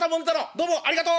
どうもありがとう！」。